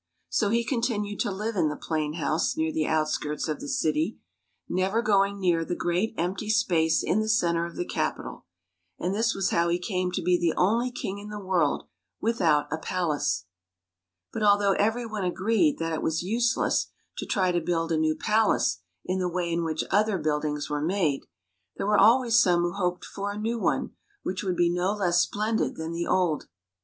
So he continued to live in the plain house near the outskirts of the city, never going near the great empty space in the center of the capital. And this was how he came to be the only king in the world without a palace. But although every one agreed that it was useless to try to build a new palace in the way in which other buildings were made, there were always some who hoped for a new one which should be no less splendid than the old.